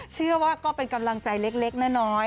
เชื่อว่าก็เป็นกำลังใจเล็กน้อย